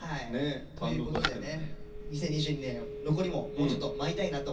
ということでね２０２２年残りももうちょっと舞いたいなと思って。